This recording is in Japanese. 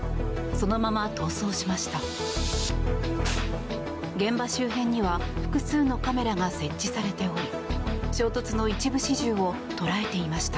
そのまま逃走しました。